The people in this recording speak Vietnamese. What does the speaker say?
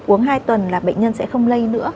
uống hai tuần là bệnh nhân sẽ không lây nữa